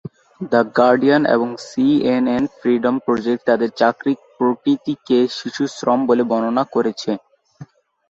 The Guardian এবং CNN freedom project তাদের চাকরির প্রকৃতিকে শিশুশ্রম বলে বর্ণনা করেছে।